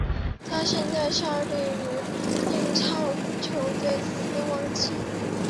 他现在效力于英超球队斯旺西。